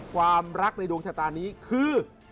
ความรักในดวงชะตานี้คือ